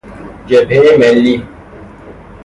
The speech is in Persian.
جبههی ملی